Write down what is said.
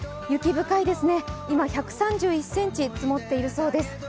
雪深いですね、今、１３１ｃｍ積もっているそうです。